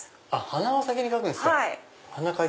鼻を先に描くんですか。